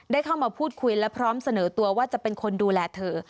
ได้เข้ามาพูดคุยและพร้อมเสนอตัวว่าจะเป็นคนดูแลเธอ